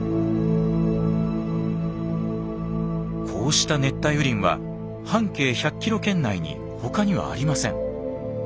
こうした熱帯雨林は半径１００キロ圏内に他にはありません。